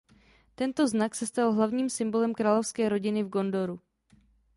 Tento znak se stal hlavním symbolem královské rodiny v Gondoru.